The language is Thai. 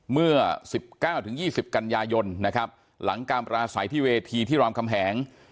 เมื่อ๑๙๒๐กันยายนนะครับหลังการปราศัยที่เวทีที่รามคำแหง